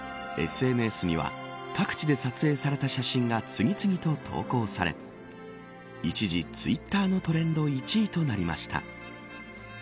ＳＮＳには各地で撮影された写真が次と投稿され一時、ツイッターのトレンド１位となりました。